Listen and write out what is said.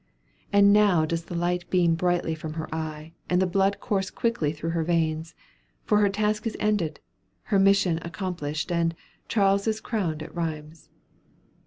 And now does the light beam brightly from her eye, and the blood course quickly through her veins for her task is ended, her mission accomplished, and "Charles is crowned at Rheims."